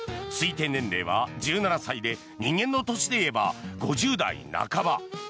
推定年齢は１７歳で人間の年でいえば５０代半ば。